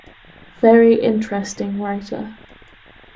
Very interesting writer.